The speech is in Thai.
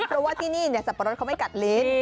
เพราะว่าที่นี่สับปะรดเขาไม่กัดลิ้น